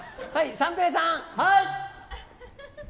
三平さん。